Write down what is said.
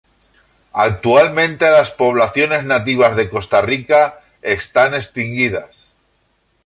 Actualmente las poblaciones nativas de Costa Rica están extinguidas.